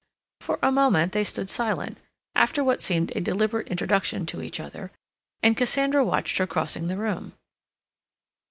For a moment they stood silent, after what seemed a deliberate introduction to each other, and Cassandra watched her crossing the room.